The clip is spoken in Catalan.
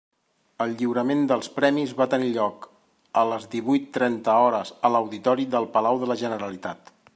El lliurament dels premis va tenir lloc a les divuit trenta hores a l'auditori del Palau de la Generalitat.